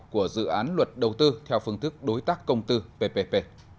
của dự án luật đầu tư theo phương thức đối tác công tư ppp